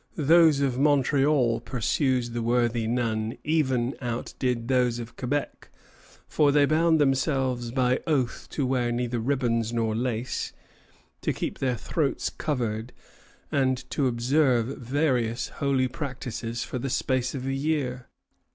"Those of Montreal," pursues the worthy nun, "even outdid those of Quebec; for they bound themselves by oath to wear neither ribbons nor lace, to keep their throats covered, and to observe various holy practices for the space of a year."